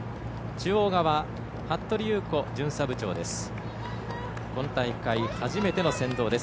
中央側、服部優子巡査部長です。